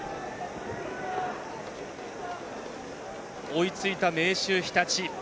追いついた明秀日立。